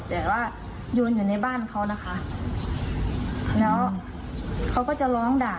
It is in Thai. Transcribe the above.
แต่ว่าโยนอยู่ในบ้านเขานะคะแล้วเขาก็จะร้องด่า